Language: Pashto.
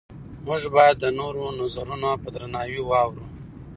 موږ باید د نورو نظرونه په درناوي واورو